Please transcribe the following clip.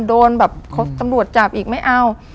โดนแบบตำรวจจับอีกไม่เอา